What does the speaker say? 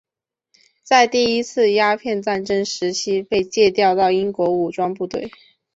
在第一次鸦片战争时期被借调到英国武装部队。